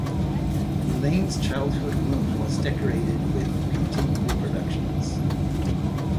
Elaine's childhood room was decorated with painting reproductions.